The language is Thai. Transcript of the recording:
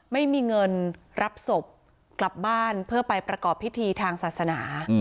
ไม่มีเงินรับศพกลับบ้านเพื่อไปประกอบพิธีทางศาสนา